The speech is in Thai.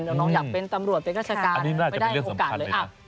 น้องน้องอยากเป็นตำรวจเป็นราชการไม่ได้โอกาสเลยนะครับอันนี้น่าจะเป็นเรื่องสำคัญ